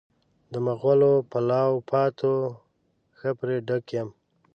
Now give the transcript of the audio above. د مغلو پلاو پاتو ښه پرې ډک یم.